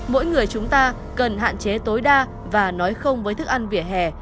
mỗi người chúng ta cần hạn chế tối đa và nói không với thức ăn vỉa hè